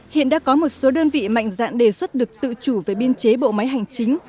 hiện đã có một số đơn vị mạnh dạn đề xuất được tự chủ về biên chế bộ máy hành chính